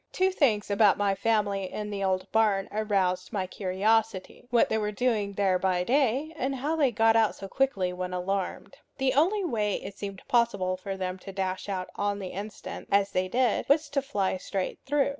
Two things about my family in the old barn aroused my curiosity what they were doing there by day, and how they got out so quickly when alarmed. The only way it seemed possible for them to dash out on the instant, as they did, was to fly straight through.